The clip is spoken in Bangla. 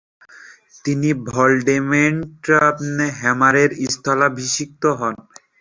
তিনি ভলডেমর্ট হ্যামারের স্থলাভিষিক্ত হন।